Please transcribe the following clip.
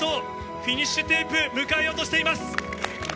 フィニッシュテープ迎えようとしています。